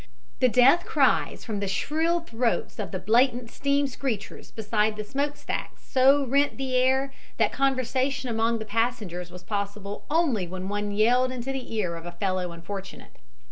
The death cries from the shrill throats of the blatant steam screechers beside the smokestacks so rent the air that conversation among the passengers was possible only when one yelled into the ear of a fellow unfortunate.